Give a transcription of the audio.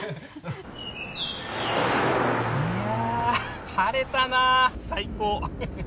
いや晴れたな最高